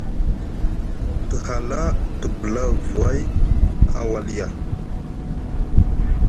D@Te hala te bula vai a Walia.